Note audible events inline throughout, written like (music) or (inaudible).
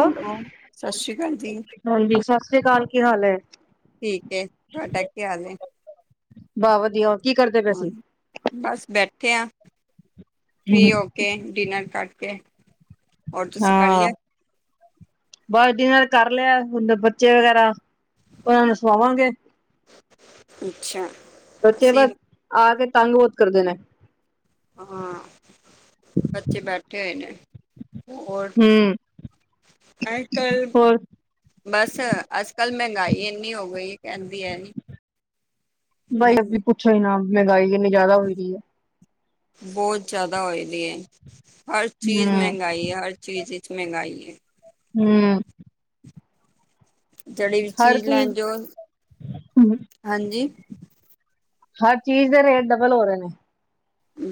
Hello, ਸਤਿ ਸ਼੍ਰੀ ਅਕਾਲ ਜੀ। ਹਾਂਜੀ, ਸਤਿ ਸ੍ਰੀ ਅਕਾਲ, ਕੀ ਹਾਲ ਹੈ? ਠੀਕ ਏ। ਤੂਹਾਡਾ ਕੀ ਹਾਲ ਹੈ? ਬਾਹ ਵਧੀਆ ਕੀ ਕਰਦੇ ਪਏ ਹਾਂ, ਸੀ? ਬਸ ਬੈਠੇ ਆ, ਫ੍ਰੀ ਹੋ ਕੇ, ਡਿਨਰ ਕਰਕੇ। ਹੋਰ ਤੁਸੀਂ ਕਰ ਹਾਂ, ਲਿਆ? ਬਸ ਡਿਨਰ ਕਰ ਲਿਆ। ਹਣ ਬੱਚੇ ਵਗੈਰਾ ੳਨਾਂ ਨੂੰ ਸੁਵਾਵਾਂਗੇ। ਅੱਛਾ। ਬੱਚੇ ਅਸੀਂ ਬਸ, ਆ ਕੇ ਤੰਗ ਬਹੁਤ ਕਰਦੇ ਨੇ। ਹਾਂ, ਬੱਚੇ ਬੈਠੇ ਹੋਏ ਨੇ। ਔਰ, ਹੂੰ ਅੱਜ -ਕੱਲ੍ਹ ਹੋਰ ਬਸ, ਅੱਜ-ਕੱਲ੍ਹ ਮਹਿੰਗਾਈ ਇੰਨੀ ਹੋ ਗਈ। ਕਹਿੰਦੀ ਹੈ ਨੀ, ਬਾਈ ਮੈਨ ਅ ਪੁੱਛੋ ਈ ਨਾ, ਮਹਿੰਗਾਈ ਇੰਨੀ ਜ਼ਿਆਦਾ ਹੋਈ ਦੀ ਏ। ਬਹੁਤ ਜ਼ਿਆਦਾ ਹੋਏ ਦੀ ਹੈ, ਹਰ ਚੀਜ਼ ਹੂੰ ਮਹਿੰਗਾਈ, ਹਰ ਚੀਜ਼ ਚ' ਮਹਿੰਗਾਈ ਹੈ। ਹਮ। ਜਿਹੜੀ ਵੀ ਚੀਜ਼ ਲੈਣ ਜੋ, ਹਾਂਜੀ? ਹਰ ਚੀਜ਼ ਦੇ ਰੇਟ, ਡਬਲ ਹੋ ਰਹੇ ਨੇ।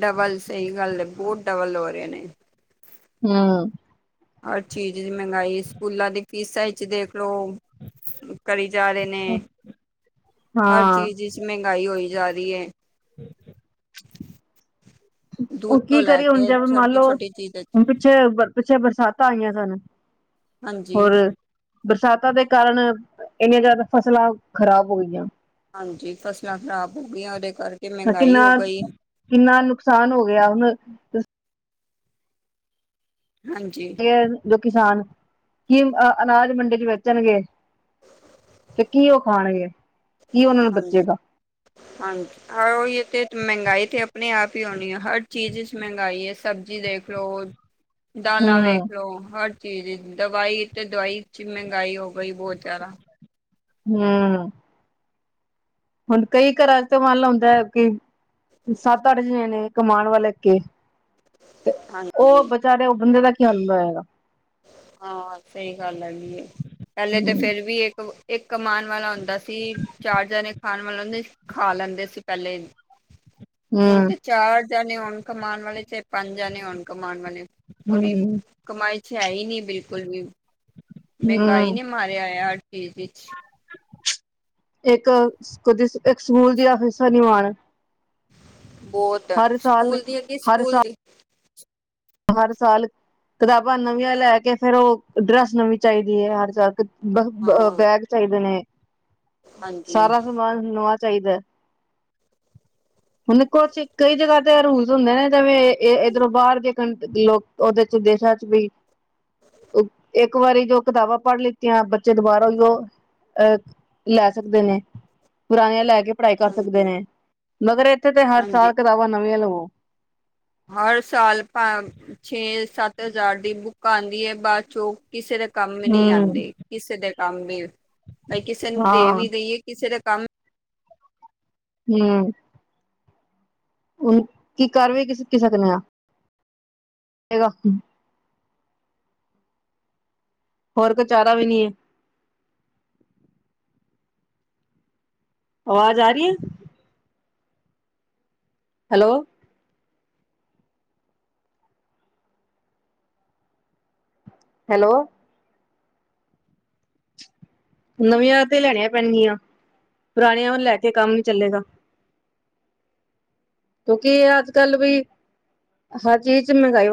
ਡਬਲ, ਸਹੀ ਗੱਲ ਹੈ, ਬਹੁਤ ਡਬਲ ਹੋ ਰਹੇ ਨੇ। ਹਮ। ਹਰ ਚੀਜ਼ ਮਹਿੰਗਾਈ, ਸਕੂਲਾਂ ਦੀ ਫੀਸਾਂ ਵਿੱਚ ਦੇਖ ਲਓ ਕਰੀ ਜਾ ਰਹੇ ਨੇ, ਹਰ ਹਾਂ ਚੀਜ਼ ਵਿੱਚ ਮਹਿੰਗਾਈ ਹੋਈ ਜਾ ਰਹੀ ਹੈ। ਦੁੱਧ ਉਹ ਤੋਂ ਕੀ ਲੈ ਕਰੀ ਹੁਣ, ਕੇ ਜਵੇ ਮੰਨ ਛੋਟੀ ਲਓ, ਛੋਟੀ ਚੀਜ਼ ਹੁਣ ਪਿੱਛੇ, ਪਿੱਛੇ ਬਰਸਾਤਾਂ ਆਈਆਂ ਸਨ। ਹਾਂਜੀ ਹੋਰ ਬਰਸਾਤਾਂ ਦੇ ਕਾਰਨ, ਇੰਨੀਆਂ ਜ਼ਿਆਦਾ ਫਸਲਾਂ ਖ਼ਰਾਬ ਹੋ ਗਈਆਂ। ਹਾਂਜੀ, ਫਸਲਾਂ ਖ਼ਰਾਬ ਹੋ ਗਈਆਂ ਉਹਦੇ ਕਰਕੇ ਮਹਿੰਗਾਈ ਕਿੰਨਾ, ਹੋ ਗਈ ਕਿੰਨਾ ਨੁਕਸਾਨ ਹੋ ਗਿਆ ਹੁਣ ਹਾਂਜੀ। ਜੋ ਕਿਸਾਨ, ਕੀ ਅ ਅਨਾਜ ਮੰਡੇ 'ਚ ਵੇਚਣਗੇ ਤੇ ਕੀ ਓ ਖਾਣਗੇ, ਕੀ ਓਨਾਂ ਨੂੰ ਹਾਂਜੀ ਬਚੇਗਾ? (inaudible) ਹਾਂਜੀ, ਓਈਓ ਤੇ ਮੈਂਗਾਈ ਤੇ ਅਪਨੇ ਆਪ ਈ ਹੋਣੀ ਐ, ਹਰ ਚੀਜ਼ ਚ ਮੈਂਗਾਈ ਐ ਸਬਜੀ ਦੇਖ ਲੋ, ਦਾਲਾਂ ਹੂੰ ਵੇਖ ਲੋ। ਦਵਾਈ ਤੇ ਦਵਾਈ ਚ ਮੈਂਗਾਈ ਹੋ ਗਈ ਬੋਤ ਜਾਦਾ। ਹੁੰ। ਹੁਣ ਕਈ ਘਰਾਂ ਤੇ ਮਨ ਲੋ ਹੁੰਦੈ, ਕਿ ਸੱਤ-ਅੱਠ ਜਣੇ ਨੇ ਕਮਾਣ ਵੱਲ ਅੱਗੇ ਹਾਂਜੀ ਓ ਬਚਾਰੇ ਓ ਬੰਦੇ ਦਾ ਕੀ ਹਾਲ ਹੁੰਦਾ ਹੋਏਗਾ? ਹਾਂ, ਸਈ ਗੱਲ ਹੈਗੀ ਏ। ਪੈਲੇ ਤੇ ਹੂੰ ਫੇਰ ਵੀ ਏਕ ਏਕ ਕਮਾਨ ਵਾਲਾ ਹੁੰਦਾ ਸੀ ਚਾਰ ਜਨੇ ਖਾਣ ਵਾਲੋਂ ਹੁੰਦੇ ਸੀ, ਖਾ ਲੈਂਦੇ ਸੀ ਪੈਲੇ ਹੁਣ ਹੂੰ ਤੇ ਚਾਰ ਜਣੇ ਹੋਣ ਕਮਾਨ ਵਾਲੇ ਚਾਏ ਪੰਜ ਜਾਣੇ ਹੋਨ ਕਮਾਣ ਵਾਲੇ ਓਦੀ ਹੂੰ ਕਮਾਈ ਛ ਹੈ ਈ ਨੀਂ ਬਿਲਕੁਲ ਵੀ, ਮੈਂਹਗਾਈ ਹੂੰ ਨੇ ਮਾਰੇਆ ਹਰ ਚੀਜ ਵਿੱਚ। ਏਕ ਓਦੇ ਏਕ ਸਕੂਲ ਦੀਆਂ ਫੀਸਾਂ ਨੀਂ ਮਾਨ। ਬੋਤ ਸਾਲ ਸਕੂਲ ਦੀ ਹੈਗੀ, ਹਰ ਸਕੂਲ ਸਾਲ ਦੀ। ਹਰ ਸਾਲ ਕਤਾਬਾਂ ਨਵੀਆਂ ਲੈ ਕੇ ਫੇਰ ਓ ਡਰੈਸ ਨਵੀਂ ਚਾਈਦੀ ਐ, ਹਰ ਸਾਲ। ਬ ਹਾਂ ਬੈਗ ਚਾਈਦੇ ਨੇ। ਹਾਂਜੀ ਸਾਰਾ ਸਮਾਨ ਨਵਾਂ ਚਾਈਦੈ। ਹੁਨ ਏਖੋ ਅੱਥੇ ਕਈ ਜਗ੍ਹਾ ਤੇ ਅ ਰੂਲ ਹੁੰਦੇ ਨੇ ਜਿਵੇਂ ਏ ਏਧਰੋਂ ਬਾਰ ਜੇ ਕਣਕ ਦੀ ਓ ਓਦੇ ਚ ਦੇਸਾਂ ਚ ਵੀ ਏਕ ਵਾਰੀ ਜੋ ਕਤਾਬਾਂ ਪੜ੍ਹ ਲਿੱਤੀਆਂ ਬੱਚੇ ਦੁਬਾਰਾ ਓਈਂਓ ਅਹ ਲੈ ਸਕਦੇ ਨੇ, ਪੁਰਾਨੀਂਆਂ ਲੈ ਕੇ ਪੜਾਈ ਕਰ ਸਕਦੇ ਹਾਂਜੀ ਨੇ। ਮਗਰ ਏਥੇ ਤੇ ਹਰ ਸਾਲ ਹਾਂਜੀ ਕਤਾਬਾਂ ਨਵੀਆਂ ਲਵੋ। ਹਰ ਸਾਲ ਪਾਂ ਛੇ-ਸੱਤ ਹਜ਼ਾਰ ਦੀ ਬੁੱਕਾਂ ਆਂਦੀਐ, ਬਾਦ ਚੋਂ ਕਿਸੇ ਦੇ ਕੰਮ ਨਈਂ ਹਮ ਆਂਦੀ, ਕਿਸੇ ਦੇ ਕੰਮ ਵੀ ਬਈ ਕਿਸੇ ਨੂੰ ਦੇ ਹਾਂ ਵੀ ਦੇਈਏ ਕਿਸੇ ਦਾ ਕੰਮ ਹੁੰ। ਹੁਣ ਕੀ ਕਾਰ ਵੀ ਕੀ ਸਕਦੇ ਆ? ਏਦਾਂ। ਹੋਰ ਕੋਈ ਚਾਰਾ ਵੀ ਨੀਏ। ਆਵਾਜ ਆ ਰੀਏ? ਹੈਲੋ। ਹੈਲੋ। ਨਵੀਆਂ ਤੇ ਲੈਣੀਆਂ ਪੈਣਗੀਆਂ, ਪੁਰਾਣੀਆਂ ਨੂੰ ਲੈ ਕੇ ਕੰਮ ਨੀਂ ਚੱਲੇਗਾ। ਕਿਉਂਕਿ ਐ ਅੱਜ-ਕੱਲ ਵੀ ਹਰ ਚੀਜ ਚ ਮੈਂਗਾਈ